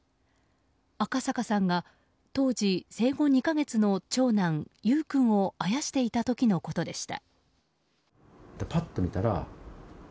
赤阪さんが当時生後２か月の長男・優雨君をあやしていた時のことでした。